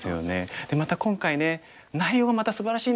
でまた今回ね内容がまたすばらしいんですよ。